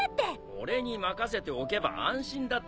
俺に任せておけば安心だって！